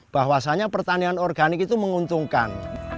bahwasannya pertanian organik itu menguntungkan